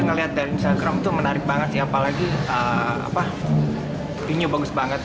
melihat dari instagram itu menarik banget sih apalagi apa dunia bagus banget